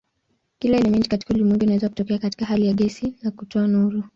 Kila elementi katika ulimwengu inaweza kutokea katika hali ya gesi na kutoa nuru.